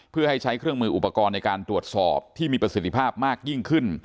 เพื่อให้ใช้เครื่องมืออุปกรณ์ในการตรวจสอบที่มีประสิทธิภาพมากยิ่งขึ้น